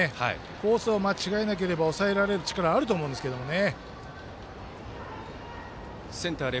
コースを間違えなければ抑えられる力あると思うんですけどね。